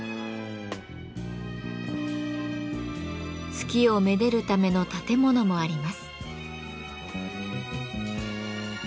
月をめでるための建物もあります。